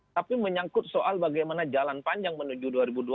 tapi menyangkut soal bagaimana jalan panjang menuju dua ribu dua puluh